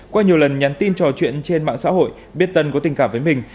qua nhiều lần nhắn tin trò chuyện trên mạng xã hội biết tân có tình cảm với mình